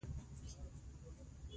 • شتمن سړی باید د ژوند حقیقت درک کړي.